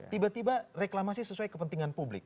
tiba tiba reklamasi sesuai kepentingan publik